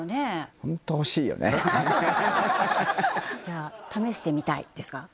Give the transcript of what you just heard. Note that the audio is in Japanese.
ホント欲しいよねじゃあ試してみたいですか？